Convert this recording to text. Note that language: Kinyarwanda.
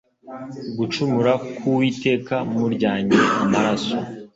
gucumura ku Uwiteka muryanye amaraso